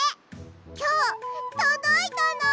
きょうとどいたの！